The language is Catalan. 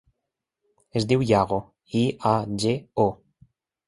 Es diu Iago: i, a, ge, o.